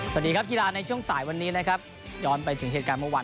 สวัสดีครับกีฬาในช่วงสายวันนี้นะครับย้อนไปถึงเหตุการณ์เมื่อวาน